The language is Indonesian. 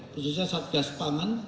khususnya satgas pangan